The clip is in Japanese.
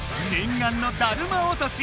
がんの「だるま落とし」